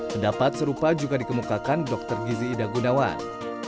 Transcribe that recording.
pendapat serupa juga dikemukakan dr gizi idagunawan